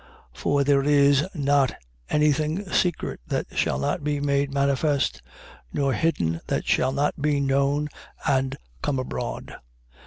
8:17. For there is not any thing secret that shall not be made manifest, nor hidden that shall not be known and come abroad.